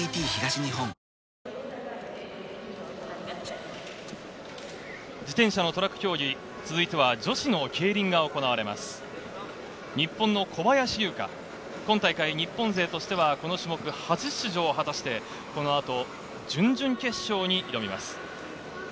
日本の小林優香、今大会、日本勢としてはこの種目初出場を果たして、この後、準々決勝に挑みます。